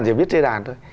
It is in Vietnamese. thì mình biết chơi đàn thôi